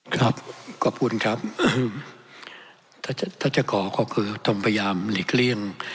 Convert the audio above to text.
ครับขอบคุณครับถ้าถ้าจะขอก็คือต้องพยายามหลีกเลี่ยง